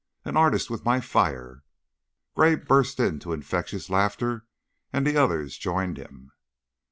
An artist with my fire!" Gray burst into infectious laughter, and the others joined him.